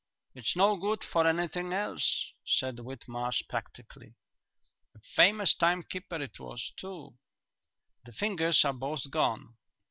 "It's no good for anything else," said Whitmarsh practically. "A famous time keeper it was, too." "The fingers are both gone."